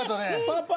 パパ。